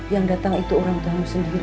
yang datang itu orang kamu sendiri